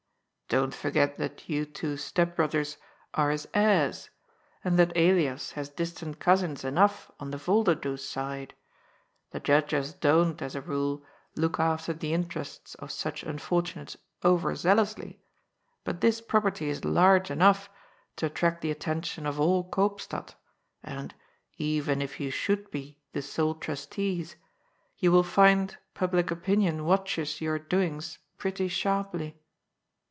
Don't forget that you two step brothers are his heirs, and that Elias has distant cousins enough on the Yolderdoes side. The judges don't, as a rule, look after the interests of such unfortunates over zealously, but this property is large enough to attract the attention of all Koopstad, and, even if you should be the sole trustees, you will find public opinion watches your doings pretty sharply."